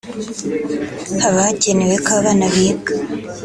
Haba hacyenewe ko abana biga